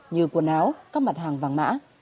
như quần áo các mặt hàng vàng mã